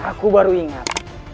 aku baru ingat